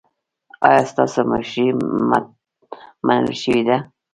ایا ستاسو مشري منل شوې ده؟